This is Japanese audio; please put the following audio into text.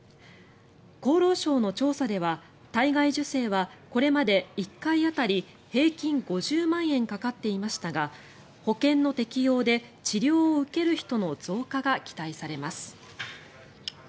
厚労省の調査では体外受精はこれまで１回当たり平均５０万円かかっていましたが保険の適用で治療を受ける人の増加が期待されます。